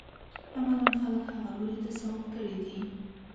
عملاً خلک هغه لوري ته سوق کړي دي.